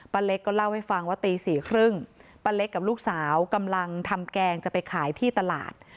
เล็กก็เล่าให้ฟังว่าตีสี่ครึ่งป้าเล็กกับลูกสาวกำลังทำแกงจะไปขายที่ตลาด